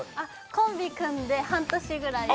コンビ組んで半年ぐらいで。